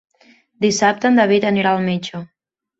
Dissabte en David anirà al metge.